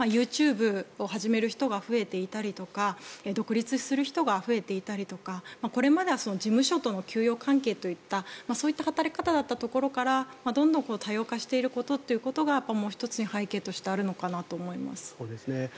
ＹｏｕＴｕｂｅを始める人が増えていたりとか独立する人が増えていたりとかこれまでは事務所との給与関係といったそういった働き方だったところからどんどん多様化していることがもう１つの背景としてあるのかなと思います。